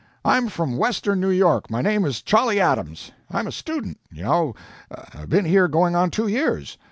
I'm from western New York. My name is Cholley Adams. I'm a student, you know. Been here going on two years.